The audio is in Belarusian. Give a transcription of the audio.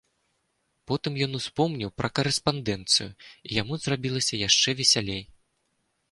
Потым ён успомніў пра карэспандэнцыю, і яму зрабілася яшчэ весялей.